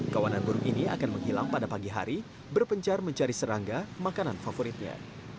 kawanan burung ini akan menghilang pada pagi hari berpencar mencari serangga makanan favoritnya